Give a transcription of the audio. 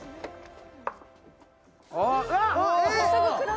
あっ！